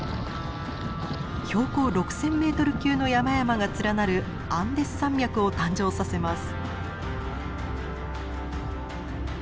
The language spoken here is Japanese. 標高６，０００ｍ級の山々が連なるアンデス山脈を誕生させます。